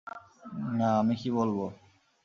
না, আমি কি বলব?